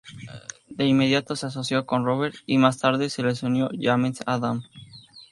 De inmediato se asoció con Robert, y más tarde se les unió James Adam.